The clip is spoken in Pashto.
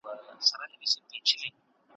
ایپیډیمیولوژیسټان څه کار کوي؟